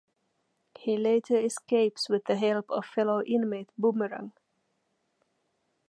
He later escapes with the help of fellow inmate Boomerang.